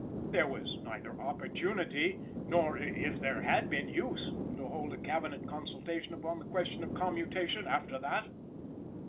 There was neither opportunity, nor, if there had been, use, to hold a Cabinet consultation upon the question of commutation after that.